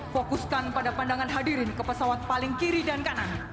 fokuskan pada pandangan hadirin ke pesawat paling kiri dan kanan